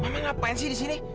mama ngapain sih di sini